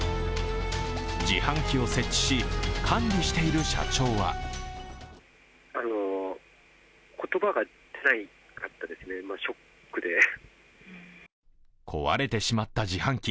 自販機を設置し、管理している社長は壊れてしまった自販機。